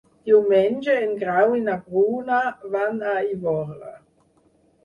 Diumenge en Grau i na Bruna van a Ivorra.